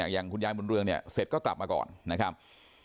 อย่างคุณยายบุญเรืองเนี่ยเสร็จก็กลับมาก่อนนะครับ